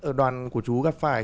ở đoàn của chú gặp phải